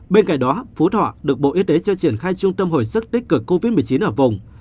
bên cạnh đó phú thọ được bộ y tế cho triển khai trung tâm hồi sức tích cực covid một mươi chín ở vùng